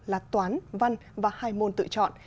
là toán văn và hai môn tự chọn